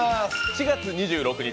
４月２６日